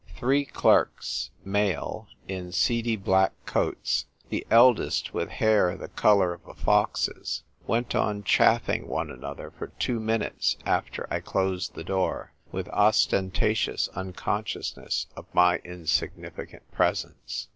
Three clerks (male), in seedy black coats, the eldest with hair the colour of a fox's, went on chaffing one another for two minutes after I closed the door, with osten tatious unconsciousness of my insignificant presence.